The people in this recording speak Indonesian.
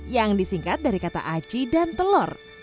yang disingkat dari kata aci dan telur